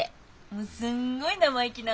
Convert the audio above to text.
もうすんごい生意気なの。